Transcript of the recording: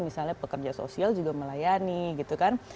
misalnya pekerja sosial juga melayani gitu kan